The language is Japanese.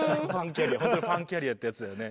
本当にファンキャリアってやつだよね。